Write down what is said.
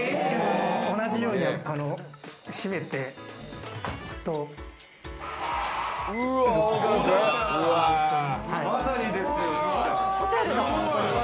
同じように閉めていくと、まさにですよ。